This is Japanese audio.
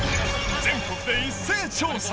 全国で一斉調査。